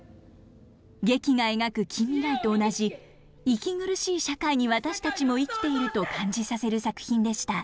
劇が描く近未来と同じ息苦しい社会に私たちも生きていると感じさせる作品でした。